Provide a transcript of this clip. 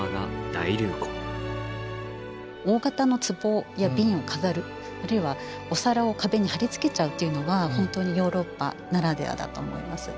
大型のつぼや瓶を飾るあるいはお皿を壁に張り付けちゃうというのは本当にヨーロッパならではだと思います。